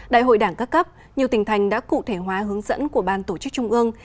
đại hội đảng các cấp nhiều tỉnh thành đã cụ thể hóa hướng dẫn của ban tổ chức trung ương